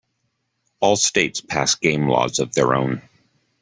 All states passed game laws of their own.